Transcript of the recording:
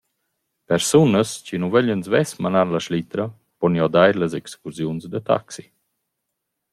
Persunas chi nu vöglian svess manar la schlitra pon giodair las excursiuns da taxi.